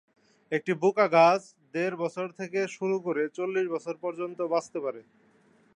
একটি কোকা গাছ দেড় বছর থেকে শুরু করে চল্লিশ বছর পর্যন্ত বাঁচতে পারে।